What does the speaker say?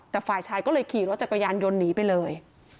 แต่ฝ่ายชายก็เลยขี่รถจักรยานยนต์หนีไปเลย